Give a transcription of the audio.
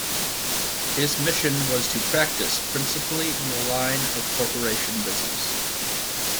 His mission was to practice principally in the line of corporation business.